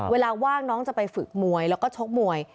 ว่างน้องจะไปฝึกมวยแล้วก็ชกมวย